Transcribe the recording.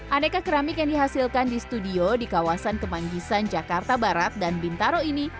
aneka keramik yang dihasilkan di studio di kawasan kemanggisan jakarta barat dan bintaro ini